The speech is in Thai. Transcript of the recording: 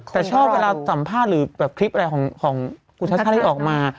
แต่ชอบเวลาสัมภาษณ์หรือแบบคลิปอะไรของคุณชัชชาติที่ออกมา